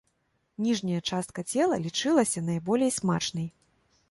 Ніжняя частка цела лічылася найболей смачнай.